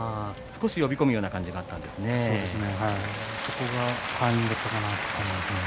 少し呼び込むようなところがあったんですね。